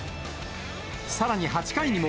さらに８回にも、